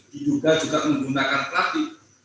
diduga juga menggunakan platik